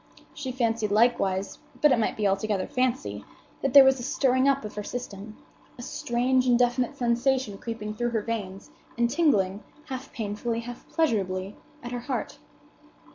She fancied likewise, but it might be altogether fancy, that there was a stirring up of her system—a strange, indefinite sensation creeping through her veins, and tingling, half painfully, half pleasurably, at her heart.